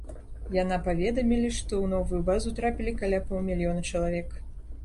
Яна паведамілі, што ў новую базу трапілі каля паўмільёна чалавек.